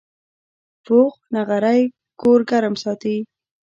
پوخ نغری کور ګرم ساتي